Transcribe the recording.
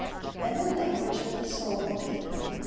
Then the language of the soul will be.